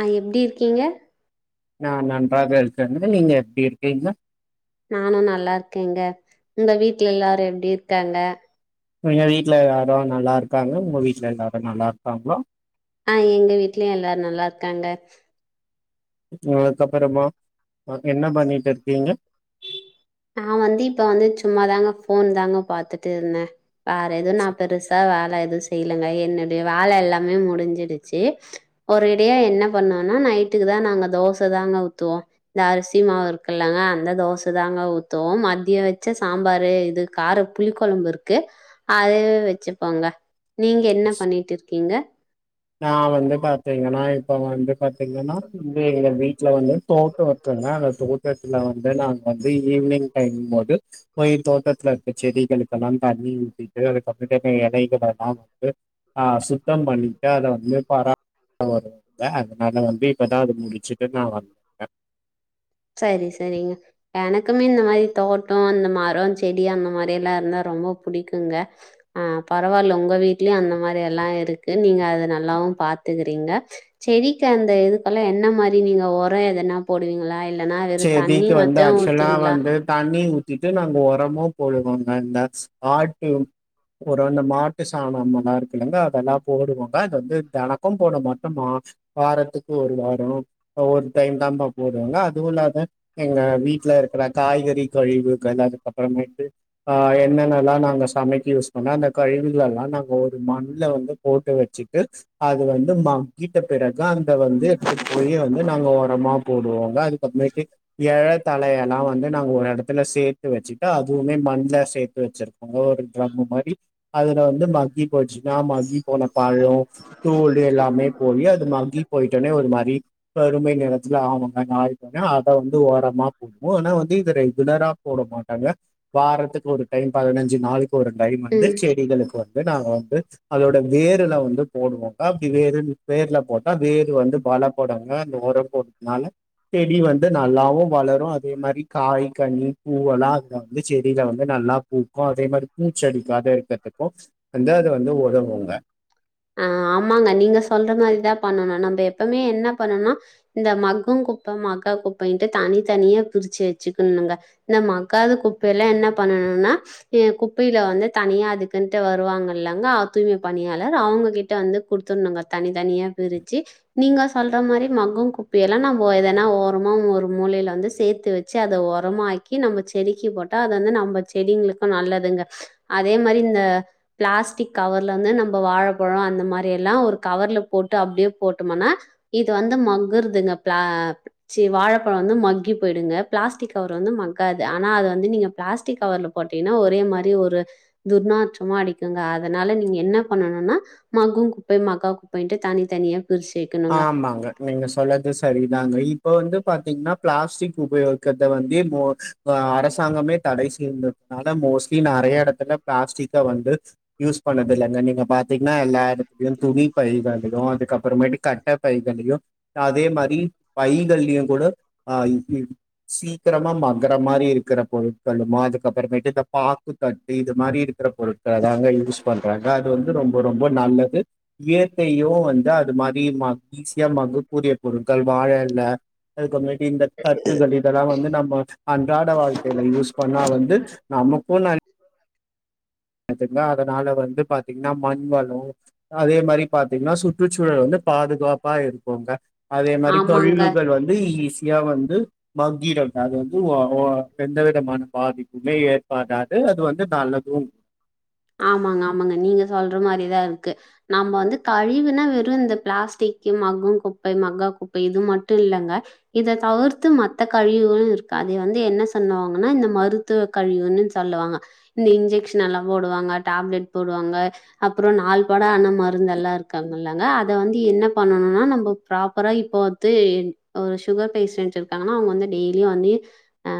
ஆஹ் எப்படி இருக்கீங்க நான் நன்றாக இருக்கே நீங்க எப்படி இருக்கீங்க நானும் நல்லா இருக்கேங்க உங்க வீட்டுல எல்லாரும் எப்படி இருக்காங்க எங்க வீட்டு்ல எல்லாரும் நல்லா இருக் இருக்கங்க வீட்ல எல்லாரும் நல்லா இருக் ஆங்கள அஹ் எங்க வீட்லயும் எல்லாரும் நல்லா இருக்காங்க அதுக்கப்புறமா என்ன பண்ணிட்டு இருக்கீங்க நான் வந்து இப்ப வந்து சும்மாாதாங்க போன் தாங்க பாத்துட்டு இருந்தேன் வோர எது நான் பெருசா வேல எது செய்யலுங்க என்னுடைய வேலை எல்லாமே முடிஞ்சிடுச்சு ஒரு இடையா என்ன பண்ணோனா நைட்டுக்கு தான் நாங்க தோசை தாங்க ஊத்துவோம் இந்த அரிசி மாவு இருக்குல்லாங்க அந்த தோசை தாங்க உத்து மத்தம் மதியம் வச்ச சாம்பாரு இது கார புளி குழம்பு இருக்கு அதவே வச்சுப்போங்க நீங்க என்ன பண்ணிட்டு இருக்கீங்க நான் வந்து பாத்தீங்கன்னா இப்போ வந்து பார்த்தீங்கன்னா இ எங்கள் வீட்டில் வந்து தோட்டம் இருக்குங்க அந்த தோட்டத்தில் வந்து நாங்கள் வந்து ஈவினிங் டைங்க போது போய் தோட்டத்தில் இருக்க செடிகளுக்கெல்லாம் தண்ணி ஊற்றிட்டு அதுக்கப்புறட்டுான இலைகளெல்லாம் வந்து சுத்தம் பண்ணி அதை வந்து பர வ இல அதனால வந்து இப்பதான் அதது முடிச்சுட்டு நான் வந்தக் சரி சரிங்க எனக்குமே இந்த மாரி தோட்டம் இந்த மரம் செடி அந்த மாரி எல்லாம் இருந்தா ரொம்ப பிடிக்குங்க ஆஹ் பரவாயில்ல உங்க வீடட்டுலயும் அந்த மாரி எல்லாம் இருக்கு நீங்க அது நல்லாவும் பாத்துக்கறீங்க செடிக்கு அந்த இதுக்கெல்லாம் என்ன மாரி நீங்க உரம் எதன போடுவீங்களா இல்லன்னா வெறும் தண்ணி செடிக்கு வந்து மட்டும் ஆக்சுவலா ஊத்துவீங்களா? வந்து தண்ணி உத் த்து நாங்க உரமும் போடுவோங்க இந்த ஆட்டு ஒரு அந்த மாட்டு சாணம்மல்லாம் இருக்குல்லலைங்க அதெல்லாம் போடுவாங்க அது வந்து தணக்கம் போட மாட்டோ மா வாரத்துக்கு ஒரு வாரம் ஒரு டைம் தம்ப போடுவாங்க அதுவும்லாத எங்க வீட்டல இருக்கிற காய்கறி கழிவுகள் அதுக்கப்புறமேட்டுஹ் என்னென்னல்லாம் நாங்க சமைக்க யூஸ் பண்ணம் அந்த கழிவுகள் எல்லாம் நாங்க ஒரு மண்ணல வந்து போட்டு வச்சுட்டு அது வந்து மக்கிட்ட பிறகு இத வந்து எடுத்துட்டு போய் வந்து நாங்க உரமா போடுவோங்க அது வெக்கி ஏழக் தலையனா வந்து நாங் ஒரு எடத்துல சேத்து வச்சுட்டா அதுவ்மே மண்ல சேத்து வச்சிர் அங்க ஒரு ட்ரம்மு மாரி அதுல வந்து மக்கி போச்சுன்னா மக்கி போன பழோ தோளு எல்லாமே போயி அது மங்கி போயிட்டோனே ஒரு மாரி வறுமை நேரத்துல ஆமாங்க நாள் எனா அத வந்து ஓரமா போட்னு மூடனா வந்து இதனை உடனே போட மாட்டாங்க வாரத்துக்கு ஒரு டைம் பதினஞ்சு நாளைக்கு ஒரு டைம் வந்து ம். செடிகளுக்கு வந் து நாங்க வந்து அதோட வேருல வந்து போடுவோங்க அப்டி வேரு வேர்ல போட்டா வேரு வந்து [unintelligible] போடாம அந்த ஒரோ போட்துனால செடி வந்து நல்லாவு வளரு அதே மாரி காய் கனி பூவெல்லா அதுல வந்து செடில வந்து நல்லா பூக்கு அதே மாரி பூச்சடிக்காத இருக்றத்துக்கு வந்து அது வந்து உதவுங்க பண்ணனு நம்ப எப்பவ்மே என்ன பண்ணன்னா இந்த ம மக்கு குப்ப மக்கா குப்பைட்டு தனி தனியா பிரிச்சு வச்சுக்குணுங்க இந்த மக்காத குப்பைல்லா என்ன பண்ணனுனா குப்பைல வந்து தனியா அதுக்குன் ட்டு வருவாங்க இல்லங்க தூய்மை பணியாளர் அவங்ககிட்ட வந்து குடுத்ததுன்னுங்க தனி தனியா பிரிச்சு நீங்க சொல்ற மாரி மக்கு குப்பையல்லா லா நம்போ எதனா ஓரமா ஒரு மூலைல வந்து சேத்து வச்சு அத ஒரமாக்கி நம்ம செடிக்கு போட்டா அது வந்து நம்ம செடிங்களுக்கு நல்லதுங்க அதே மாரி இந்த பிளாஸ்டிக் கவர்ல வந்து நம்ம வாழைப்பழோ அந்த மாரிலா ஒரு கவர்ல போட்டு அப்டே போட்டமனா இது வந்து மக்குறதுங்க ஆ சி வாழப் பழோ வந்து மக்கி போய்டுங்க பிளாஸ்டிக் கவர் வந்து மக்காது ஆனா அது வந்து நீங்க பிளாஸ்டிக் கவர்ல போட்டீனா ஒரே மாரி ஒரு துர்நாற்றமா அடிக்குங்க அதனால நீங்க என்ன பண்ணணுனா மக்கு குப்பை மக்கா குப்பை ன்ட்டு தனித்தனியா பிரிச்சு வைக்கணுங்க ஆமாங்க நீங்க சொல்லது சரிதாங்க இப்ப வந் ந்து பாத்தீங்னா பிளாஸ்டிக் உபயோகிக்கத வந்து இப்போ அரசாங்கமே தட செய்தததுனால மோஸ்ட்லி நறைய எடத்துல பிளாஸ்டிக்க வந்து யூஸ் பண்ணது இல்ல நீங்க பாத்தீங்னா எல்லா இத துணி பைக [unintelligible] அதுக்கப்பறமேட்டு கட்ட பைகலியு அதே மாரி பைகலியு கூட அ சீக்கரமா மக்ர மாரி இருக்கற பொருட்களுமா அதுக்கப்பறமேட்டு இந்த பாக்குத்தட்டு இது மாரி இரு [unintelligible] பொறுத் அதாங்க யூஸ் பண்ற ங்க அது வந்து ரொம்ப ரொம்ப நல்லது இயற்கையு வந்து அது மாரி ம ஈஸியா மக்க கூடிய பொருட்கள் வாழ எல அதுக்கு [unintelligible] இந்த தட்டுகள் இதெல்லா வந்து நம்ம அன்றாட வாழ்க்கைல யூஸ் பண்ணா வந்து நமக்கு நன் [unintelligible] அதனால வந்து பாத்தீங்ன்னா மண் வளோ அதே மாரி பாத்தீங்ன்னா சுற்றுச்சூழல் வந்து பாதுகாப்பா இருக்குங்க அதே மாரி ஆமாங்க கழிவுகள் வந்து ஈஸ் யா வந்து மக்கிடம் அது வந்து ஒ ஒ எந்த விதமான பாதிப்புமே ஏற்படாது அது வந்து நல்லது ஆமாங்க ஆமாங்க நீங்க சொல்ற மாரிதா இருக்கு நம்ம வந்து கழிவுனா வெறு இந்த பிளாஸ்டிக்கும் மக்கு குப்பை மக்கா குப்பை இது மட்டு இல்லங்க இத தவிர்த்து மத்த கழிவுகளு இருக்கு அத வந்து என்ன சொன்னுவாங்கன்னா இந்த மருத்துவ கழிவுன்னு சொல்லுவாங்க இந்த இன்ஜெக்ஷனல்லா போடுவாங்க டாப்லெட் போடுவாங்க அப்றோ நாள்பட அந்த மருந்தல்லா இருக்காங்களங்க அதவந்து என்ன பண்ணணுனா நம்ம ப்ராப்பரா இப்ப வந்து ஓ சுகர்பேஷன்ட் இருக்காங்கனா அவங்க வந்து டெய்லி வந்துயு ஆ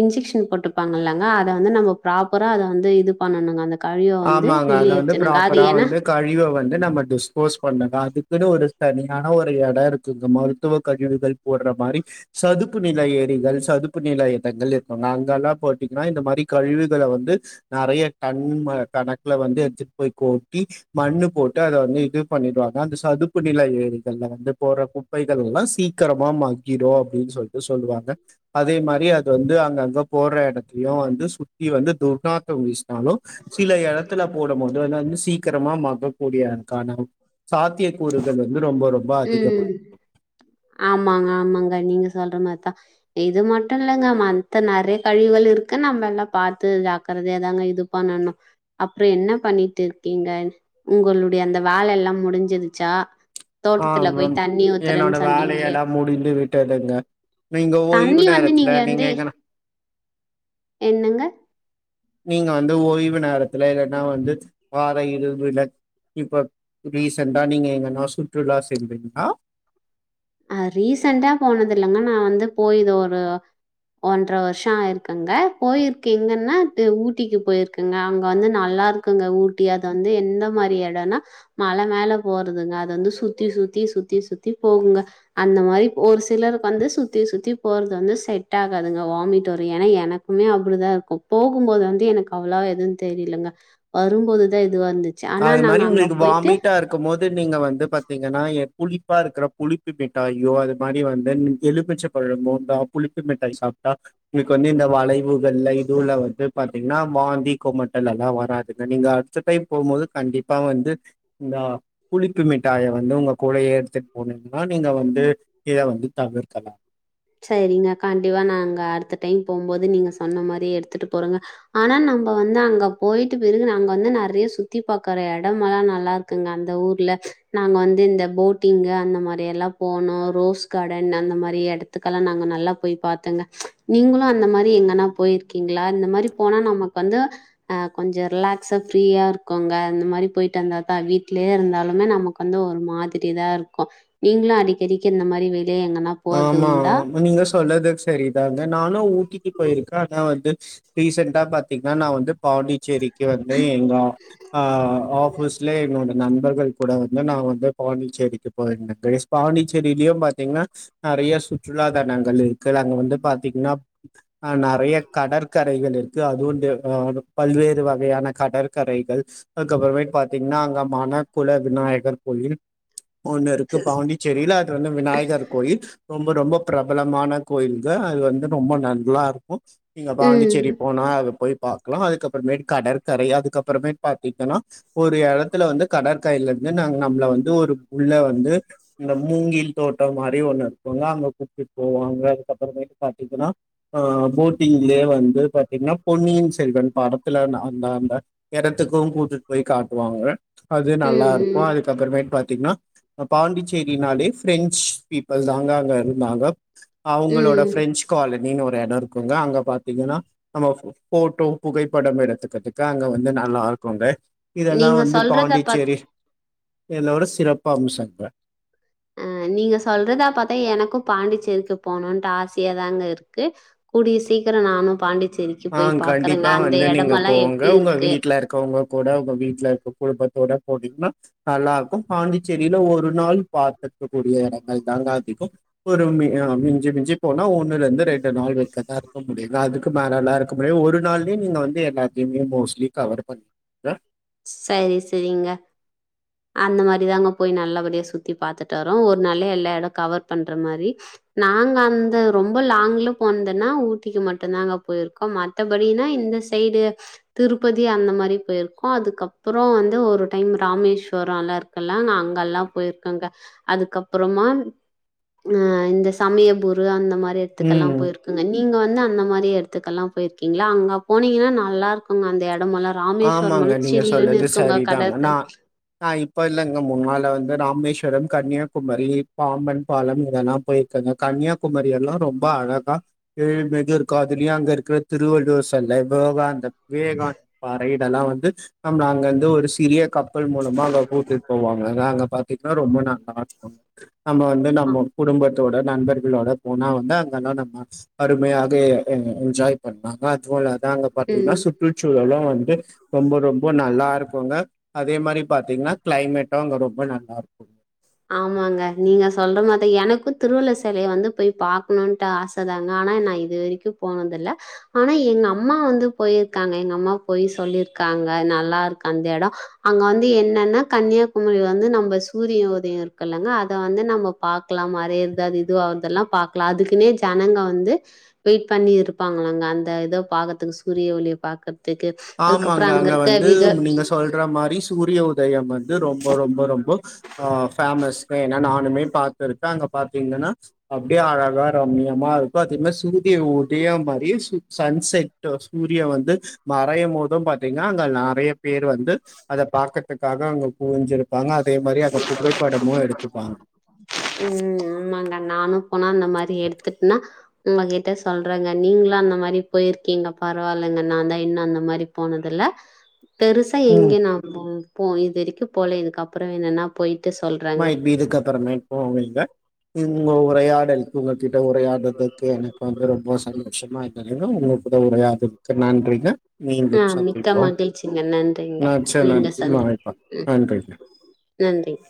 இன்ஜெக்ஷன் போட்ருப்பாங்கலங்க அத வந்து நம்ம ப்ரோப்பரா அத வந்து இது பண்ணணுங்க அந்த கழிவ வந்து ஆமாங்க அத வந்து வெளியேற்றணுங்க. அது ப்ராப்பரா ஏன்னா வந்து கழிவ வந்து நம்ம டிஸ்போஸ் பண்ணதா அது குனு ஒரு தனியான ஒரு எடோ இருக்குங்க மருத்துவ கழிவுகள் போட்ற மாரி சதுப்பு நில ஏரிகள் சதுப்பு நில இடங்கள் இருக்குங்க அங்கல்லா போட்டீங்னா இந்த மாரி கழிவுகள வந்து நறைய டன் ம கணக்குல வந்து எடுத்துட் போய் கோட்டி மண்ணு போட்டு அத வந்து இது பண்ணிடுவாங்க அந்த சதுப்பு நில ஏரிகள்ல வந்து போர்ற குப்பைகள் எல்லா சீக்ரமா மக்கிரு அப்டின் சொல்ட்டு சொல்வாங்க அதே மாரி அது வந்து அங்கங்க போற எடத்தலயு வந்து சுத்தி வந்து துர்நாத்தொ வீஸ்னாலு சில எடத்துல போடம்போது [unintelligible] அத வந்து சீக்கரமா மக்கக்கூடிய க்கான சாத்திய கூறுகள் வ ம் ஆமாங்க ஆமாங்க நீங்க சொல்ற மாரிதா இது மட்டு இல்லங்க மத்த நறைய கழிவுகள் ருக்கு நம்ம எல்லா பாத்து ஜாக்கறதையா தாங்க இது பண்ணணு அப்றோ என்ன பண்ணிட்டு இருக்கீங்கள் உங்களுடைய அந்த வேல எல்லா முடுஞ்சுருச்சா ஆ ஆ என்னோட சொன்னீங்களே! வேலையெல்லா முடிந்து விட்டதுங்க நீங்க ஓய்வு தண்ணி வந்து நேரத்துல நீங்க வந்து எங்கனா என்னங்க? நீங்க வந்து ஓய்வு நேரத்துல இல்லன்னா வந்து வார இருவுல இப்ப ரீசண்டா நீங்க எங்கன்னா சுற்றுலா சென்றிங்களா அ ரீசன்ட்டா போனதில்லங்க நா வந்து போயிதோ ஒரு ஒன்ற வர்ஷோ ஆயிருக்குங்க போயிருக்க எங்கன்னா இது ஊட்டிக்கு போயிருக்கங்க அங்க வந்து நல்லா இருக்குங்க ஊட்டி அது வந்து எந்த மாரி எடொன்னா மழ மேல போறதுங்க அத வந்து சுத்தி சுத்தி சுத்தி சுத்தி போகுங்க அந்த மாரி ஒரு சிலருக்கு வந்து சுத்தி சுத்தி போறது வந்து செட்டாகாதுங்க வாமிட் வரு ஏனா எனக்குமே அப்டிதா இருக்கு போகும்போது வந்து எனக்கு அவ்ளோவா எது தெரியலங்க வரும்போதுதா அது மாரி உங்ளுக்கு வாமிட்டா இருக்கும் போது நீங்க வந் ந்து பாத்திங்கன்னா எ புளிப்பா இருக்கற புளிப்பு மிட்டாய்யோ அது மாரி வந்து எலுமிச்ச பழமோ புளிப்பு மிட்டாய் சாப்ட்டா உங்ளுக்கு வந்து இந்த வளைவு ங்குவல்ல இதுல்ல வந்ட்டு வ என்னாமா வாந்தி கோமட்டல் எல்லா வராதுங்க நீங்க அடுத்த டைம் போகம்போது கண்டிப்பா வந்து இந்த புளிப்பு மிட்டாய வந்து உங்க கூடயே எடுத்துட்டு போனீங்கனா நீங்க வந்து இத வந்து தவிர்க்கலா செரிங்க கண்டிப்பா நா அங்க அடுத்த டைம் போம்போது நீங்க சொன்ன மாரி எடுத்துட்டு போறோங்க ஆனா நம்ப வந்து அங்க போயிட்டு பிறகு நாங்க வந்து நெறைய சுத்தி பாக்குற எடமெல்லா நல்லா இருக்குங்க அந்த ஊர்ல நாங்க வந்து இந்த போட்டிங்கு அந்த மாரி எல்லா போனோ ரோஸ் கார்டன் அந்த மாரி எடத் த்துக்கெல்லா நாங்க நல்லா போய் பாத்தோங்க நீங்குளு அந்த மாரி எங்கனா போய்ர்க்கிங்களா இந்த மாரி போனா நமக்கு வந்து அஹ் கொஞ்ச ரிலாக்ஸா ஃப்ரீயா இருக்குங்க இந்த மாரி போயிட்டு வந்தாதா வீட்லெயே இருந்தாலுமே நமக்கு வந்து ஒரு மாதிரி தா இருக்கு நீங்குளு அடிக்கடிக்க இந்த மாதிரி வெ தே எங்கனா போ மா ஆம நீங்க சொன்னது செரிதாங்க நானு ஊட்டி [unintelligible] போயிருக்கா ஆனா வ வந்து ரீசெண்ட்டா பாத்தீங்னா நா வந்து பாண்டிச்சேரி கு வந்து எங்க ஆ ஆஹ் ஆஃபீஸ்லே என்னோட நண்பர்கள் கூட வந்து நான் வந்து பாண்டிச்சேரிக்கு போயிருந்தே காய்ஸ் பாண்டிச்சேரிலியும் பாத்திங்கனா நெறைய சுற்றுலா தனங்கள் இருக்கு அங்க வந்து பாத்திங்கனா அஹ் நெறைய கடற்கரைகள் இருக்கு அதுவும் வந்து ஹு பல்வேறு வகையான கடற்கரைகள் அதுக்கப்றமே பாத்திங்னா அங்க மண குல விநாயகர் கோயில் ஒண்ணு இருக்கு பாண்டிச்சேரிலெ அதுல வந்து விநாயகர் கோயில் ரொம்போ ரொம்போ ப்ரபலமான கோயிலுங்க அது வந்து ரொம்ப நல்லாருக்கு இங்க பாண்டிச்சேரி ம். போனா அதுப் பாக்கலா அதுக்கப்றமே கடற்கரை அதுக்கப்றமே பாத்திங்கனா ஒரு எடத்துல வந்து கடற்கரையில இருந்து ந நம்மள வந்து ஒரு உள்ள வந் ந்து இந்த மூங்கி தோட்டம் மாரி ஒன்னு [unintelligible] அங்க கூப்ட்டுட்டு போவாங்க அதுக்கப்றமே பாத்திங்கனா அஹ் போட்டிங்லயே வந்து பாத்திங்கனா பொன்னியின் செல்வன் படத்துல ந அந்த அந்த எடத்துக்கு கூட்டிட்டு போய் காட்டுவாங்க அது ம், நல்லாருக்கு ம், அதுக்கப்றமேட் பாத்திங்கனா பாண்டிச்சேரினாலே ஃப்ரெஞ்ச் பீப்பள் தா தாங்க இருந்தாங்க அவங்களோட ம். ஃப்ரெஞ்ச் காலேஜ் டின்னு ஒரு எடோ இருக்குங்க அங்க பாத்திங்கனா நம்ம இவ் போட்டோ புகைப்படம் எடுத்துக்றதுக்கு அங்க வந்து நல்லா இருக்குங்க இதெல்லா நீங்க வந்து சொல்றத பாத் பாண்டிச்சேரி எல்லோரு சிறப்பம்சங்க அஹ் நீங்க சொல்றதா பாத்தா எனக்கு பாண்டிச்சேரிக்கு போணும்ட்டு ஆசையாதாங்க இருக்கு கூடிய சீக்கிர நானு பாண்டிச்சே ஆஹ்ன் கண்டிப்பா வந்து நீங்க எப்டி போங்க உங்க இருக்கு? வீட்ல இருக்கவங்க கூட உங்க வீட்ல இருக்க குடும்பத்தோட போனீங்னா நல்லாருக்கு பாண்டிச்சேரியில ஒரு நாள் பார்த்துக்க கூடிய எடங்கள் தாங்க அதிகம் ஒரு மி மிஞ்சு மிஞ்சு போனா ஒண்ணுலெருந்து ரெண்டு நாள் வரிக்குந்தா இருக்க முடியுங்க அதுக்கு மே நல்லா இருக்குமே ஒரு நாள்யே நீங்க வந்து எல்லாத்யுமே மோஸ்ட்லி கவர் பண்ணிருங்க சரி செரிங்க அந்த மாரி தாங்க போய் நல்லபடியா சுத்தி பாத்துட்டு வரோ ஒரு நாள்லெல்லா எட கவர் பண்ற மாரி நாங்க அந்த ரொம்ப லாங்ல போனந்துன்னா ஊட்டிக்கு மட்டுந்தாங்க போயிருக்கோ மத்தபடின்னா இந்த சைடு திருப்பதி அந்த மாரி போய்ரு ஆஹ் அதுக்கப்றோ வந்து ஒரு டைம் ராமேஸ்வர அல்லா இருக்கல்லா நா அங்கெல்லா போய்ருக்கங்க அதுக்கப்றமா அஹ் இந்த சமயபுரு அந்த மா எடத்துக்கெல்லா ம். போயிருக்குங்க நீ நீங்க வந்து அந்த மாதிரி இடத்துக்கெல்லாம் போயிருக்கீங்களா அங்க போனீங்கன்னா நல்லா இருக்குங்க அந்த இட மல்ல ராமேஸ்வவர்ர் மனு ஆமாங்க. நீங்க சொல்லறது சரிதாங்க ந இப்ப இல்லங்க முன்னால வந்து ராமேஸ்வ ம் கன்னியாகுமரி பாம்பன் பாலம் இதெல்லாம் போயிருக்காங்க கன்னியாகுமரி எல்லாம் ரொம்ப அழகா எழில் மிக இருக்கும் அதுலயும் அங்க இருக்கிற திருவள்ளுவர் சல்ல விவேகானந்தர் வேக ரைட் எல்லாம் வந்து அங்க வந்து ஒரு சிறிய க மக்கள் மூலமாக கூட்டிட்டு போவாங்க நாங்க பா்த்தீங்கன்னா ரொம்ப நல்லாருக்கும் நம்ம வந்து அ நம்ம குடும்ப நண்பர்களோட போனா வந்து அங்கல்லாம் நம்ம அருமையாக என்ஜாய் பண்ணுவாங்க அதுவும் ங்க பாத்தீங்கன்னா ம். சுற்றுச்சூழல்லாம் வ ரொம்ப ரொம்ப நல்லா இருக்கும்ங்க அதே மாதிரி பாத்தீங்கன்னா கிளைமேட்டும் அங்க ரொம்ப நல்லா இருக்கும் ஆமாங்க நீங்க சொல்ற மாத்த எனக்கும் திருவள்ளுவர் சிலைய வந்து போய் பாக்கணும்ட்டு ஆசை தாங்க ஆனா நான் இது வரைக்கும் போனத இல்ல ஆனா எங்க அம்மா வந்து போயிருக்காங்க எங்க அம்மா போய் சொல்லிருக்காங்க நல்லா இருக்கு அந்த இடம் அங்க வந்து என்னன்னா கன்னியாகுமரி வந்து நம்ம சூரிய இருக்குல்லங்க அதை வந்து நம்ம பாக்கலாம் மறையறதுத இதுதெல்லாம் பாக்கலாம் அதுக்குனே ஜனங்க வந்து வெயிட் பண்ணி இருப்பாங்கங்க அந்த இதோ பாக்குறதுக்கு சூரிய ஒலிய பாக் ஆமாங்க அங்க வந்து நீங்க சொல்ற மாதிரி சூரிய ஒரு யம் வந்து ரொம்ப ரொம்ப ரொம்ப பேமஸ் ஏன்னா நான் பா்த்திருக்கு அங்க பாத்தீங்கன்னா அப்படியே அழகா ரம்யமா இருக்கும் அதே மாரி சூரிய உதயம் மாதிரி சன்செட் சூரிய வந்து மறையும் போோதும் பார்த்தீங்கன்னா அங்க நிறைய பேர் வந்து அதை பாக்கறதுக்காக அங்க குவிஞ்சிருப்பாங்க அதே மாரி அங்க புகைப்படமும் எடுத்துப்பாங்க. உம் ஆமாங்க நானும் போனா அந்த மாதிரி எடுத்துட்டுனா உங்களகிட்ட சொல்றேங்க நீங்களும் அந்த மாதிரி போயிருக்கீங்க பரவாயில்லைங்க நான் தான் இன்னும் அந்த மாதிரி போனதுல்ல பெருசா ம் எங்க நா ப்பம் போ இது வரைக்கும் போல இதுக்க அப்புறம் அப்புறம் என்னன்னா போயிட்டு மைட் பீ இதுக்கு அப்புறமே போவீங்க இங்க ஒறையாடல் கிட்ட உரையாடுறதுக்கு எனக்கு வந்து ரொம்ப சந்தோஷமா இரு உங்க கூட உரையாடுரதுக்கு நன்றிங்க ஆ மீண்டும் மிக்க சந்திப்போம் மகிழ்ச்சிங்க நன்றிங்க ந சரி நீங்க நன்றி சந்திப்பு வாய்ப்பா உம் நன்றிங்க நன்றிங்க